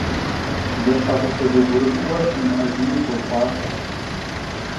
Zeşheğuse zegurımı'ue şımı'ejjınu soxhuaxhue!